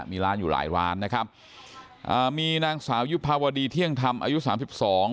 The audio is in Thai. มีร้านอยู่หลายร้านนะครับอ่ามีนางสาวยุภาวดีเที่ยงธรรมอายุสามสิบสอง